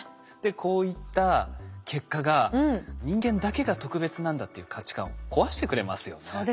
でこういった結果が人間だけが特別なんだっていう価値観を壊してくれますよね。